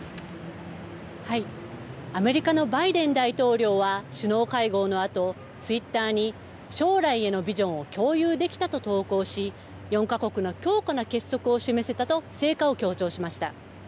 アメリカのバイデン大統領は首脳会合のあとツイッターに将来へのビジョンを共有できたと投稿し、４か国の強固な結束を示せたと成果を強調しました。